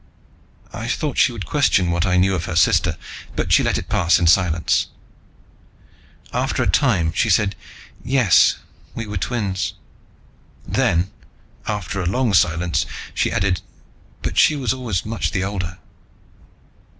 I thought she would question what I knew of her sister, but she let it pass in silence. After a time she said, "Yes, we were twins." Then, after a long silence, she added, "But she was always much the older."